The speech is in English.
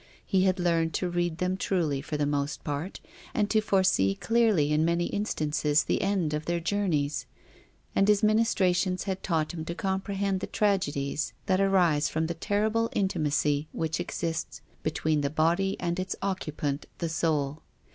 He had learned to read them truly for the most part, and to foresee clearly in many instances the end of their journeys. And his ministrations had taught him to comprehend the tragedies that arise from the terrible intimacy which exists be tween the body and its occupant the soul.